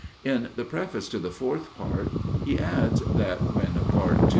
In the preface to the 4th Part, he adds, that when Part II.